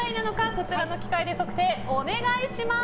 こちらの機械で測定をお願いします。